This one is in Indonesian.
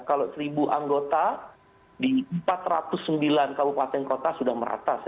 kalau seribu anggota di empat ratus sembilan kabupaten kota sudah merata